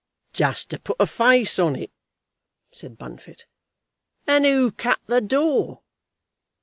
"Just to put a face on it," said Bunfit. "And who cut the door?"